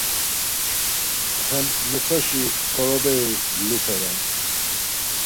Hem nusaşi ǩoroberi lupe ren.